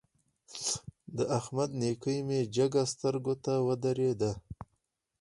د احمد نېکي مې جګه سترګو ته ودرېده.